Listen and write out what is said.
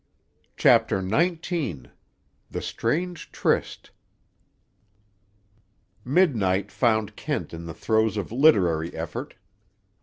CHAPTER XIX—THE STRANGE TRYST Midnight found Kent in the throes of literary effort.